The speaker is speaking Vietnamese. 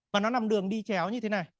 và nó nằm đường đi chéo như thế này